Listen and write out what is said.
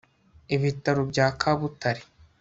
ibitaro bya kabutare